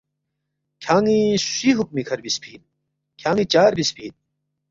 ”کھیان٘ی سُوی حکمی کھہ ربسفی اِن؟ کھیان٘ی چا ربسفی اِن؟“